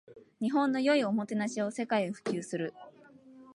日本の良いおもてなしを世界へ普及する